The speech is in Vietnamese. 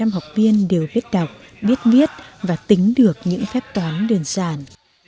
một trăm linh học viên đều biết đọc biết viết và tính được những phép toán đơn giản